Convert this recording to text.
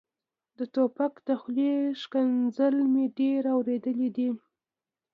د ټوپک د خولې ښکنځلې مې ډېرې اورېدلې دي.